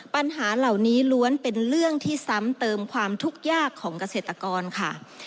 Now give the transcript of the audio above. ปัญหาเหล่านี้ล้วนเป็นเรื่องที่ซ้ำเติมความทุกข์ยากของเกษตรกรค่ะ